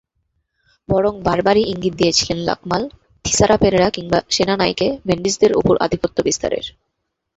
বরং বারবারই ইঙ্গিত দিয়েছিলেন লাকমাল, থিসারা পেরেরা কিংবা সেনানায়েকে-মেন্ডিসদের ওপর আধিপত্য বিস্তারের।